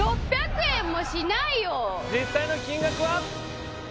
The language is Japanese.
実際の金額は？